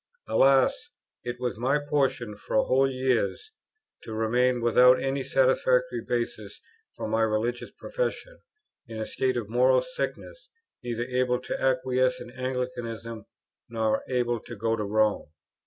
Alas! it was my portion for whole years to remain without any satisfactory basis for my religious profession, in a state of moral sickness, neither able to acquiesce in Anglicanism, nor able to go to Rome.